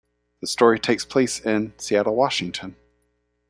The story takes place in Seattle, Washington.